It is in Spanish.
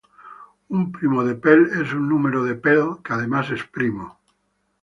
Un primo de Pell es un número de Pell que además es primo.